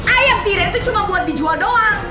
ayam tire itu cuma buat dijual doang